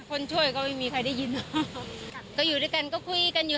คนช่วยก็ไม่มีใครได้ยินก็อยู่ด้วยกันก็คุยกันอยู่